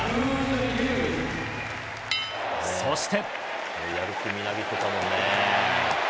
そして。